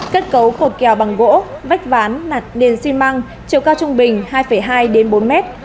kết cấu cột kèo bằng gỗ vách ván nặt nền xi măng chiều cao trung bình hai hai đến bốn mét